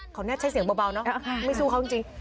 เขาน่าใช้เสียงเบาเนอะไม่สู้เขาจริง